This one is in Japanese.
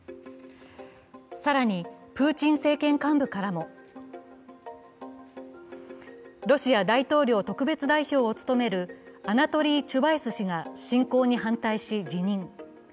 更にプーチン政権幹部からもロシア大統領と区別代表を務めるアナトリー・チュバイス氏が侵攻に反対し、辞任。